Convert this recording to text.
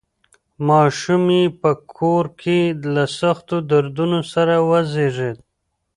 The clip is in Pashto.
ماشوم یې په کور کې له سختو دردونو سره وزېږېد.